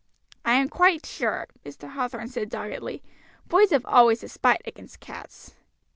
"I am quite sure." Mr. Hathorn said doggedly. "Boys have always a spite against cats."